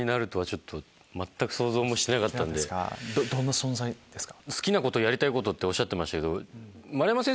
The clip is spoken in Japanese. どんな存在ですか？